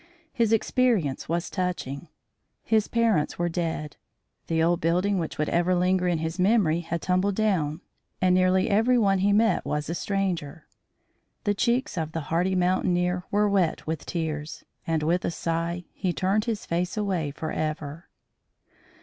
His experience was touching. His parents were dead, the old building which would ever linger in his memory, had tumbled down and nearly every one whom he met was a stranger. The cheeks of the hardy mountaineer were wet with tears, and with a sigh, he turned his face away forever.